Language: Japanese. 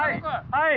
はい。